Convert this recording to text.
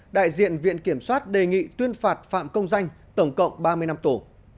đại diện viện kiểm soát đề nghị tuyên phạt phạm công danh tổng cộng ba mươi năm tù